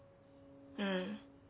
うん。